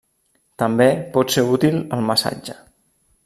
També pot ser útil el massatge.